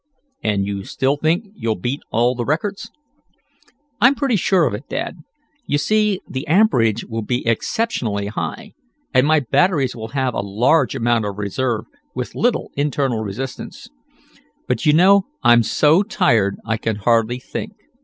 "And you still think you'll beat all records?" "I'm pretty sure of it, Dad. You see the amperage will be exceptionally high, and my batteries will have a large amount of reserve, with little internal resistance. But do you know I'm so tired I can hardly think.